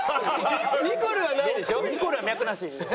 ニコルはないでしょ？